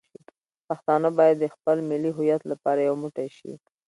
پښتانه باید د خپل ملي هویت لپاره یو موټی شي.